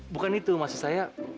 bukan itu maksud saya